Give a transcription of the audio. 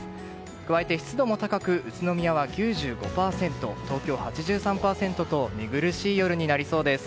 加えて、湿度も高く宇都宮は９５％東京、８３％と寝苦しい夜になりそうです。